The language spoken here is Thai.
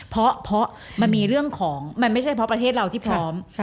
เพราะมันมีเรื่องของมันไม่ใช่เพราะประเทศเราที่พร้อม